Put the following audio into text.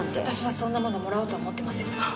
私はそんなものもらおうとは思ってません。